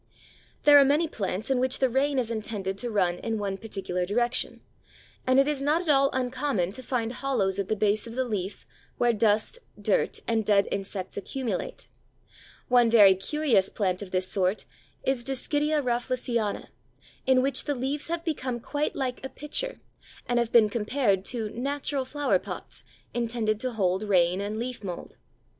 There are many plants in which the rain is intended to run in one particular direction, and it is not at all uncommon to find hollows at the base of the leaf where dust, dirt, and dead insects accumulate. One very curious plant of this sort is Dischidia Rafflesiana, in which the leaves have become quite like a pitcher, and have been compared to "natural flower pots" intended to hold rain and leaf mould.